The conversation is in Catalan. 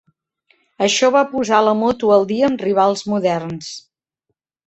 Això va posar la moto al dia amb rivals moderns.